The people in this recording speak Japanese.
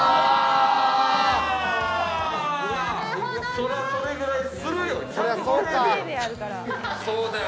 そりゃ、それくらいするよ。